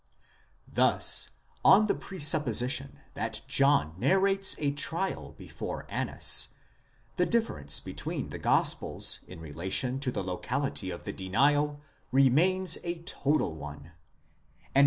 Thus on the presup position that John narrates a trial before Annas, the difference between the gospels in relation to the locality of the denial remains a total one; and in.